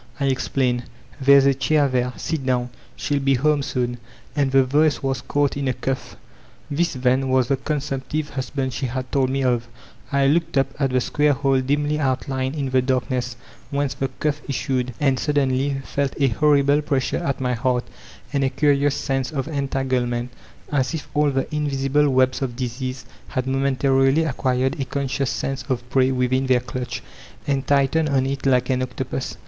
I explained. — ^''There's a chair there; sit down. Shell be home soon. And the voice was caught in a cough. This, then, was the consumptive husband she had told 438 VOLTAIRINE DE ClEYSE me of ! I looked up at the square hole dimly outlined b the darkness, whence the cough issued, and suddenly felt a horrible pressure at my heart and a curious sense of entanglement, as if all the invisible webs of disease had momentarily acquired a conscious sense of prey within their clutch, and tightened on it like an octopus.